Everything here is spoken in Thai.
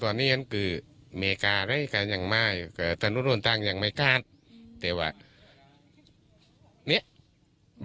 แต่ว่านี้บาลเลือดต้องจมอยู่ไตล์น้ำตลอดครับ